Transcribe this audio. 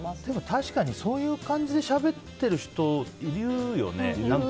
確かに、そういう感じでしゃべってる人、いるよね。